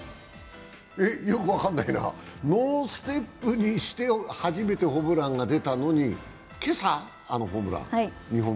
よく分からないな、ノーステップにして初めてホームランが出たのに、今朝、あの２本目のホームラン。